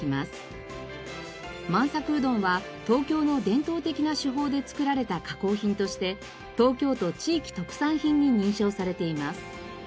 満さくうどんは東京の伝統的な手法で作られた加工品として東京都地域特産品に認証されています。